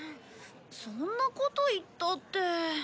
そんなこと言ったって。